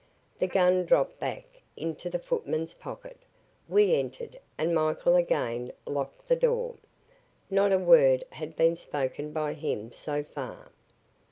The gun dropped back into the footman's pocket. We entered and Michael again locked the door. Not a word had been spoken by him so far.